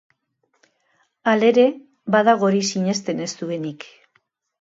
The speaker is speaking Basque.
Halere, badago hori sinesten ez duenik.